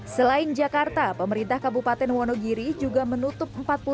selain jakarta pemerintah kabupaten wonogiri juga menutup